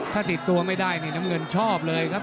ถ้าติดตัวไม่ได้นี่น้ำเงินชอบเลยครับ